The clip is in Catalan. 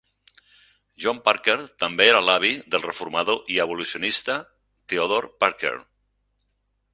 John Parker també era l'avi del reformador i abolicionista Theodore Parker.